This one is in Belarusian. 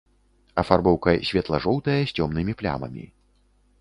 Афарбоўка светла-жоўтая з цёмнымі плямамі.